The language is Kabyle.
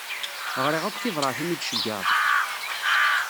Ɣriɣ akk tibṛatin i d-tceyyɛeḍ.